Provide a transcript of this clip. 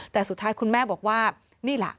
แต่สุดท้ายคุณแม่บอกว่านี่ล่ะ